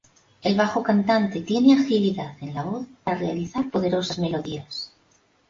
El bajo cantante tiene agilidad en la voz, para realizar poderosas melodías.